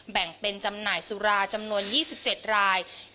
แบ่งเป็นจำหน่ายสุราจำนวน๒๗ราย